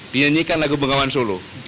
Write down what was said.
dinyanyikan lagu bengawan solo